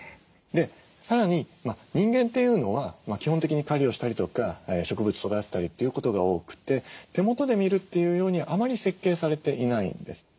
さらに人間というのは基本的に狩りをしたりとか植物育てたりということが多くて手元で見るっていうようにあまり設計されていないんです。